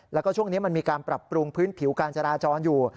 แล้วก็ช่วงนี้มันมีการปรับปรุงพื้นผิวการจราจรอยู่